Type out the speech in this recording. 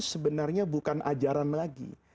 sebenarnya bukan ajaran lagi